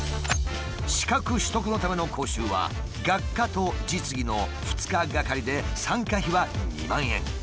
資格取得のための講習は学科と実技の２日がかりで参加費は２万円。